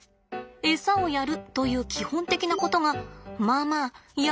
エサをやるという基本的なことがまあまあいや